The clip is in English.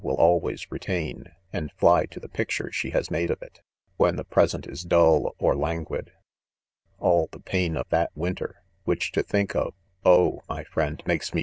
will always retain, an$ fty N to ihe picture she has made of it* when the pfojsent is dull or lan guid — all the pain of that wirvter, which to think of,, oh! mf friend, makW^me